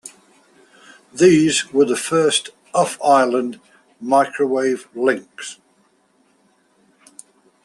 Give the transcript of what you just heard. These were the first off-island microwave links.